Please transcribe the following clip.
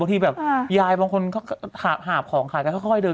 บางทีแบบยายบางคนเขาหาบของขายแล้วก็ค่อยเดิน